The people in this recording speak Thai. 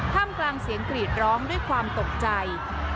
มกลางเสียงกรีดร้องด้วยความตกใจ